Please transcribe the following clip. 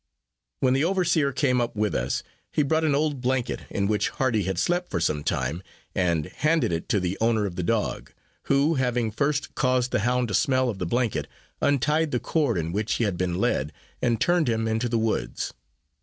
When the overseer came up with us, he brought an old blanket, in which Hardy had slept for some time, and handed it to the owner of the dog; who, having first caused the hound to smell of the blanket, untied the cord in which he had been led, and turned him into the woods.